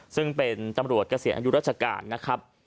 ซึ่งเป็นตำรวจเกษียณอายุราชการนะครับ